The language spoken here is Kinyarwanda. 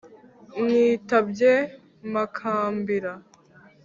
Nitabye Makambira ;